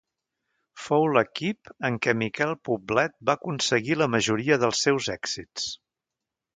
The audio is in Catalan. Fou l'equip en què Miquel Poblet va aconseguir la majoria dels seus èxits.